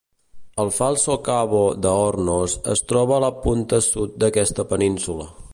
El Falso Cabo de Hornos es troba a la punta sud d'aquesta península.